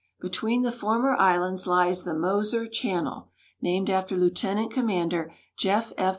Between the former islands lies the Moser cliannel, named after Lieut. Comdr. .Jeff. F.